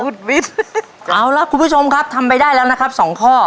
เอาล่ะคุณผู้ชมครับทำไปได้แล้วนะครับ๒ข้อ